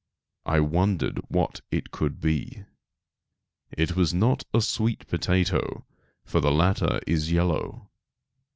I wondered what it could be. It was not a sweet potato, for the latter is yellow.